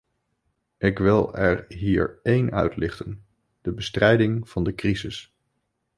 Ik wil er hier één uitlichten: de bestrijding van de crisis.